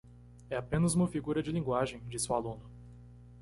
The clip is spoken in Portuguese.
É apenas uma figura de linguagem, disse o aluno.